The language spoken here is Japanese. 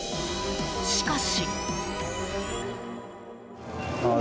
しかし。